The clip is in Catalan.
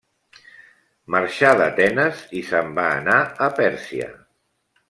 Marxà d'Atenes i se'n va anar a Pèrsia.